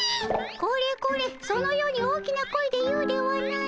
これこれそのように大きな声で言うではない。